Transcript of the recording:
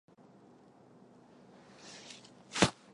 斜带圆沫蝉为尖胸沫蝉科圆沫蝉属下的一个种。